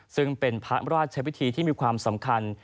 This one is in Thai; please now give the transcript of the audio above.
ซึ่งเป็นพระราชพิธีที่มีความสำคัญ